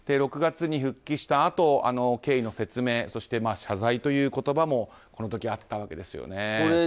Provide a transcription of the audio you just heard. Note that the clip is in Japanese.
６月に復帰したあと経緯の説明そして、謝罪という言葉もこの時あったわけですよね。